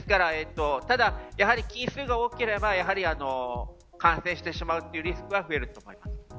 ただ菌の数が多ければ感染してしまうリスクが増えると思います。